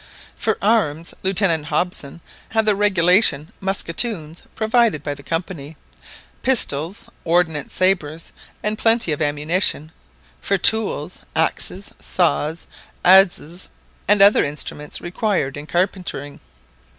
For arms, Lieutenant Hobson had the regulation musketoons provided by the Company, pistols, ordnance sabres, and plenty of ammunition; for tools : axes, saws, adzes, and other instruments required in carpentering.